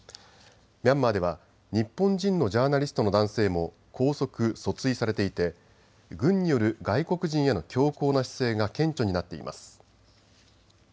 ミャンマーでは日本人のジャーナリストの男性も拘束・訴追されていて軍による外国人への強硬な姿勢が顕著になっています。